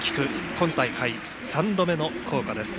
今大会３度目の校歌です。